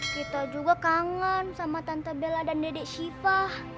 kita juga kangen sama tante bela dan dede siva